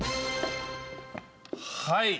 はい。